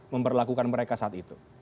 memperlakukan mereka saat itu